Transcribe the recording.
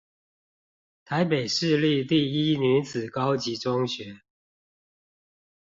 臺北市立第一女子高級中學